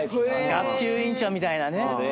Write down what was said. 学級委員長みたいなね。